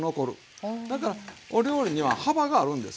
だからお料理には幅があるんですよ。